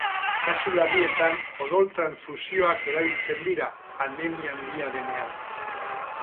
Kasu larrietan odol-transfusioak erabiltzen dira, anemia handia denean